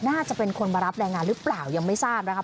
น่าจะเป็นคนมารับแรงงานหรือเปล่ายังไม่ทราบนะครับ